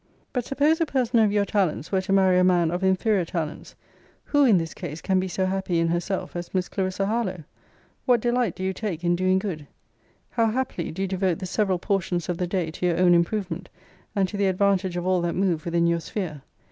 But suppose a person of your talents were to marry a man of inferior talents; Who, in this case, can be so happy in herself as Miss Clarissa Harlowe? What delight do you take in doing good! How happily do you devote the several portions of the day to your own improvement, and to the advantage of all that move within your sphere!